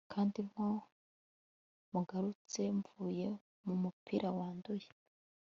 Kandi ko mugarutse mvuye mumupira wanduye